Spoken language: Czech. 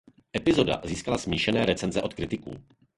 Epizoda získala smíšené recenze od kritiků.